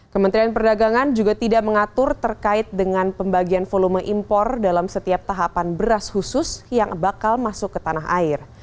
kementerian perdagangan juga tidak mengatur terkait dengan pembagian volume impor dalam setiap tahapan beras khusus yang bakal masuk ke tanah air